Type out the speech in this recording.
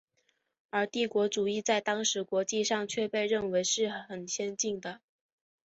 而帝国主义在当时国际上却被认为是很先进的。